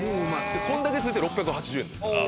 こんだけ付いて６８０円ですから。